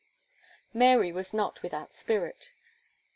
Mary was not without spirit.